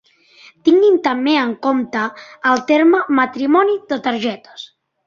Tinguin també en compte el terme "Matrimoni de targetes".